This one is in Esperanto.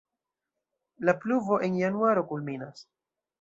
La pluvo en januaro kulminas.